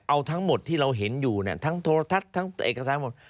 เอาทั้งหมดที่เราเห็นอยู่เนี่ยทั้งโทรทัศน์ทั้งเอกสารหมด